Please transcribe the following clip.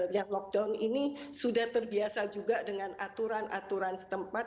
yang lockdown ini sudah terbiasa juga dengan aturan aturan setempat